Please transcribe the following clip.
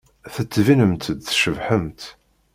Tettbinemt-d tcebḥemt.